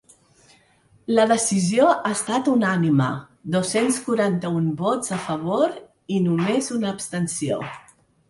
La decisió ha estat unànime: dos-cents quaranta-un vots a favor i només una abstenció.